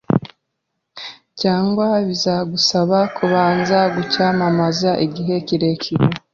Cyangwa bizagusaba kubanza kucyamamaza igihe kirekire